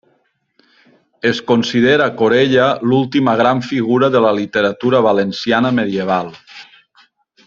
Es considera Corella l'última gran figura de la literatura valenciana medieval.